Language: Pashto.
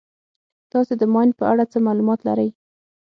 تاسې د ماین په اړه څه معلومات لرئ.